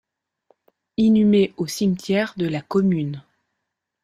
Inhumé au cimetière de la commune.